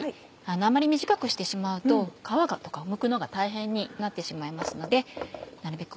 あんまり短くしてしまうと皮をむくのが大変になってしまいますのでなるべく